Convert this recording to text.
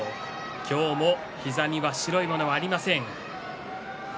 今日も膝に白いものはありません。